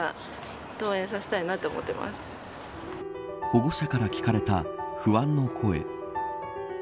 保護者から聞かれた不安の声。